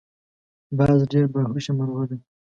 باز ډیر باهوشه مرغه دی